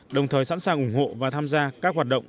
đồng thời sẵn sàng ủng hộ và tham gia các hoạt động